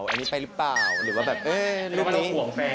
อันนี้ไปหรือเปล่าหรือว่าแบบเอ๊ะรูปนี้